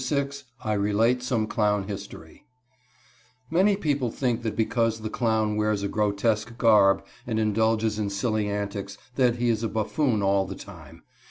VI I RELATE SOME CLOWN HISTORY Many people think that because the clown wears a grotesque garb and indulges in silly antics, that he is a buffoon all the time.